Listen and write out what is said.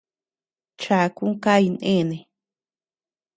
Chakun kay néne.